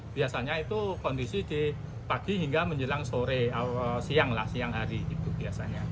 biasanya itu kondisi di pagi hingga menjelang sore siang lah siang hari itu biasanya